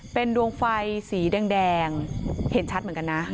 เป็นดวงไฟสีแดงเห็นชัดเหมือนกันนะ